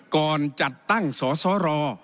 ก่อนจัดตั้งสสร